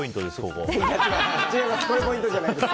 ここポイントじゃないです。